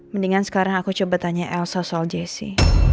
mendingan sekarang aku coba tanya elsa soal jesse